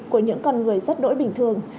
của những con người rất đỗi bình thường